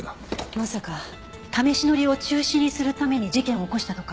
まさか試し乗りを中止にするために事件を起こしたとか。